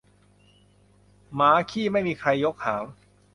หมาขี้ไม่มีใครยกหาง